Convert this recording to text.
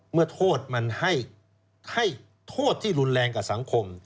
เมื่อโทษมันให้โทษที่รุนแรงกับสังคม